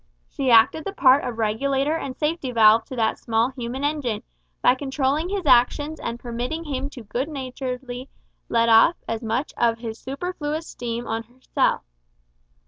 She acted the part of regulator and safety valve to that small human engine, by controlling his actions and permitting him good naturedly to let off much of his superfluous steam on herself.